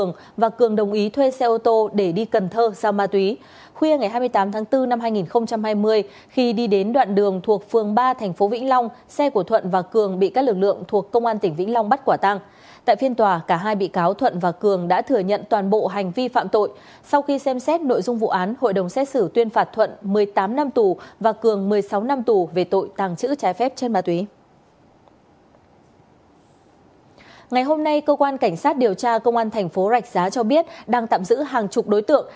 ngày hôm nay cơ quan cảnh sát điều tra công an tp rạch giá cho biết đang tạm giữ hàng chục đối tượng